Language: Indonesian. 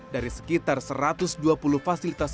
dari sekitar satu ratus dua puluh fasilitas